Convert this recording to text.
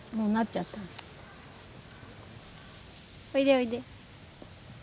おいでおいで。